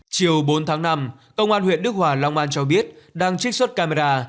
chiều bốn tháng năm công an huyện đức hòa long an cho biết đang trích xuất camera